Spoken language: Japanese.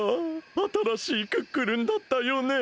あたらしいクックルンだったよね。